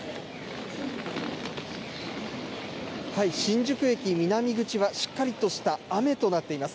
新宿駅南口はしっかりとした雨となっています。